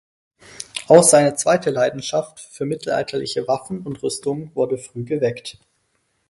Auch seine zweite Leidenschaft für mittelalterliche Waffen und Rüstungen wurde früh geweckt.